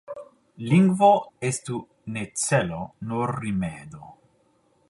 Lingvo estu ne celo, nur rimedo.